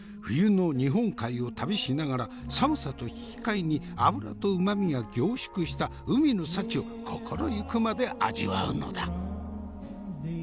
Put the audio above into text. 冬の日本海を旅しながら寒さと引き換えに脂とうまみが凝縮した海の幸を心行くまで味わうのだ。